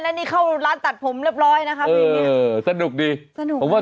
แล้วนี่เขาร้านตัดผมเรียบร้อยนะครับ